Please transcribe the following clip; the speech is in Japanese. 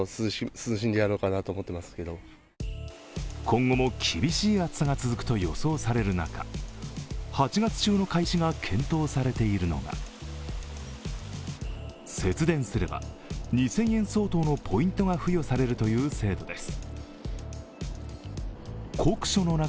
今後も厳しい暑さが続くと予想される中、８月中の開始が検討されているのが節電すれば２０００円相当のポイントが付与されるという制度です。